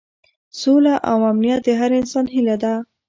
سوله او امنیت د هر انسان هیله ده.